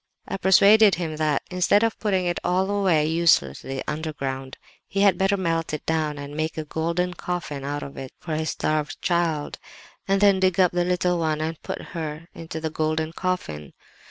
I persuaded him that, instead of putting it all away uselessly underground, he had better melt it down and make a golden coffin out of it for his starved child, and then dig up the little one and put her into the golden coffin.